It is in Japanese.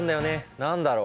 何だろう？